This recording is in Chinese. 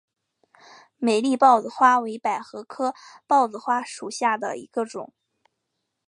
美丽豹子花为百合科豹子花属下的一个种。